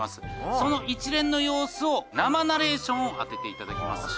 その一連の様子を生ナレーションをアテていただきます。